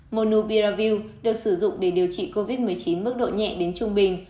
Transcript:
monobiravil được sử dụng để điều trị covid một mươi chín mức độ nhẹ đến trung bình